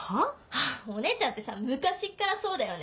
はぁお姉ちゃんってさ昔からそうだよね。